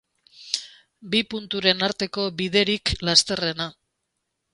Bi punturen arteko biderik lasterrena.